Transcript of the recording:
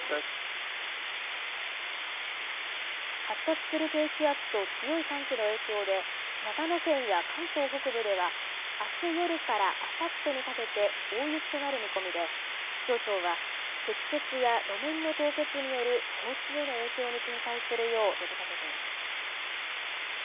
発達する低気圧と強い寒気の影響で長野県や関東北部ではあす夜からあさってにかけて大雪となる見込みで気象庁は積雪や路面の凍結による交通への影響に警戒するよう呼びかけています。